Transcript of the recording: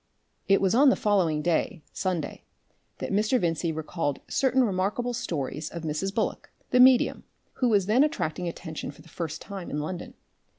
It was on the following day, Sunday, that Mr. Vincey recalled certain remarkable stories of Mrs. Bullock, the medium, who was then attracting attention for the first time in London.